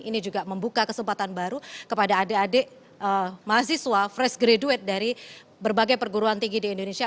ini juga membuka kesempatan baru kepada adik adik mahasiswa fresh graduate dari berbagai perguruan tinggi di indonesia